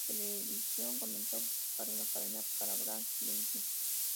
Television comenzó a buscar una cadena para "Black Lightning".